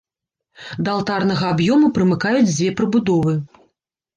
Да алтарнага аб'ёму прымыкаюць две прыбудовы.